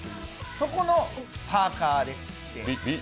そこのパーカーです。